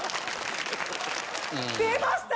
出ました！